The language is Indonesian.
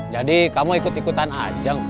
jadi kamu ikut ikutan ajeng